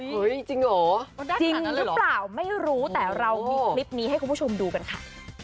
จริงเหรอจริงหรือเปล่าไม่รู้แต่เรามีคลิปนี้ให้คุณผู้ชมดูกันค่ะ